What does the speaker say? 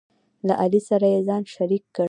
له علي سره یې ځان شریک کړ،